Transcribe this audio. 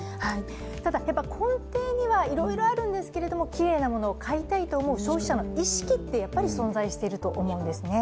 ただ、根底にはいろいろあるんですけれどもきれいなものを買いたいという消費者の意識ってやっぱり存在していると思うんですね。